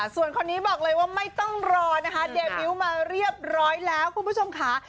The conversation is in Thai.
ส่วนคนนี้บอกเลยว่าไม่ต้องรอนะคะเดมิ้วมาเรียบร้อยแล้วคุณผู้ชมค่ะ